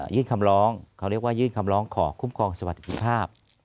ยื่นคำร้องเขาเรียกว่ายื่นคำร้องขอคุ้มครองสวัสดิภาพ